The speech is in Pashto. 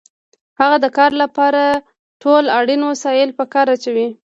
هغه د کار لپاره ټول اړین وسایل په کار اچوي